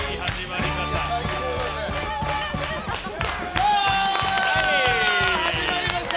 さあ、始まりました！